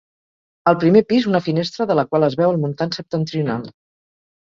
Al primer pis, una finestra de la qual es veu el muntant septentrional.